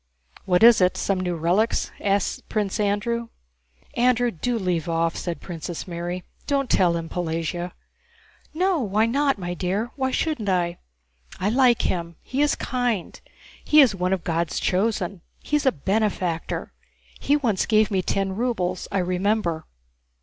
"What is it? Some new relics?" asked Prince Andrew. "Andrew, do leave off," said Princess Mary. "Don't tell him, Pelagéya." "No... why not, my dear, why shouldn't I? I like him. He is kind, he is one of God's chosen, he's a benefactor, he once gave me ten rubles, I remember.